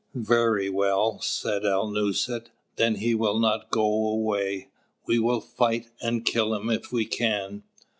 '" "Very well," said Alnūset, "then he will not go away. We will fight, and kill him if we can."